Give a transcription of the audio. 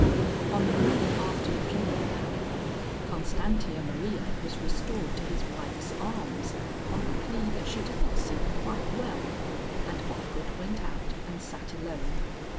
On the morning after the funeral, however, Constantia Maria was restored to his wife's arms on the plea that she did not seem quite well, and Hopgood went out and sat alone.